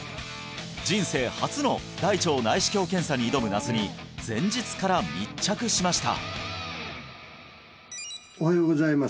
人生初の大腸内視鏡検査に挑む那須に前日から密着しました